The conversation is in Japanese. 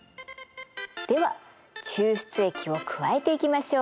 では抽出液を加えていきましょう。